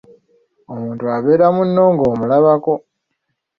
Omuntu abeera munno ng'omulabako.